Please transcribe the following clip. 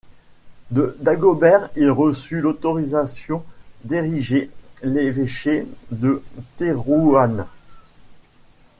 De Dagobert il reçut l'autorisation d'ériger l'évêché de Thérouanne.